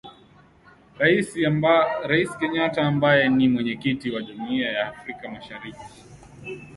Rais Kenyatta ambaye ni Mwenyekiti wa Jumuia ya Afrika Mashariki